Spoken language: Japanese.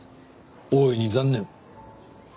大いに残念。